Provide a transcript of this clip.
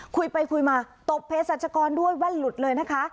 คุยไปคุยมาตบเพศรัชกรด้วยแว่นหลุดเลยนะคะ